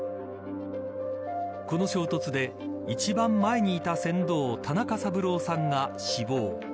この衝突で一番前にいた船頭田中三郎さんが死亡。